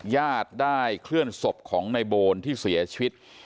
ญาติได้เคลื่อนศพของในโบนที่เสียชีวิต